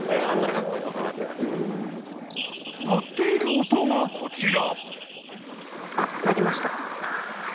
［鳴っている音がこちら］